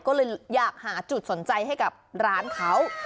ก็เลยอยากหาจุดสนใจให้กับร้านเขา